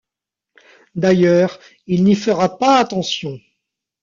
D’ailleurs, il n’y fera pas attention.